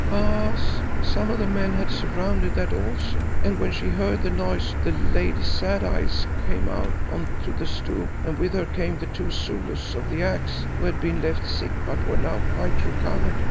"Baas, some of the men had surrounded that also and when she heard the noise the lady Sad Eyes came out on to the stoep and with her came the two Zulus of the Axe who had been left sick but were now quite recovered.